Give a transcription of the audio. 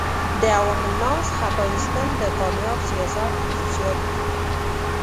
د عوام الناس خطا ایستل د کامیاب سیاست خصوصیات دي.